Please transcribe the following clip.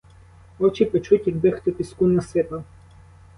Очі печуть, якби хто піску насипав.